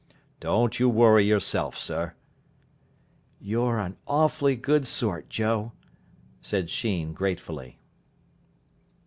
Don't you worry yourself, sir." "You're an awfully good sort, Joe," said Sheen gratefully.